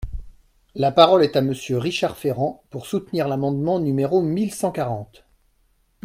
La parole est à Monsieur Richard Ferrand, pour soutenir l’amendement numéro mille cent quarante.